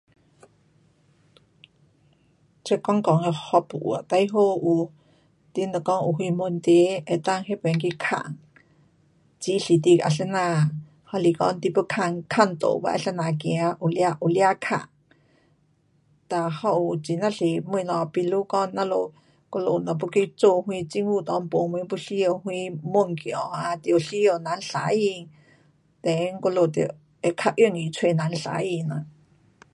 um 还没有最好有你有问题可以那边问指你怎么样如果问路怎么走有得问还有问很多事情比如要去政府部门需要东西例如需要人签我们就更容易找人签